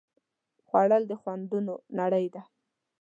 خوړل د خوندونو نړۍ ده